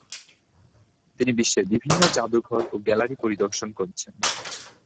তিনি বিশ্বের বিভিন্ন জাদুঘর ও গ্যালারি পরিদর্শন করেছেন।